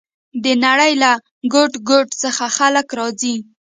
د نړۍ له ګوټ ګوټ څخه خلک راځي.